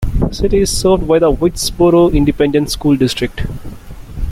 The city is served by the Whitesboro Independent School District.